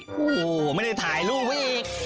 โอ้โหไม่ได้ถ่ายรูปไว้อีก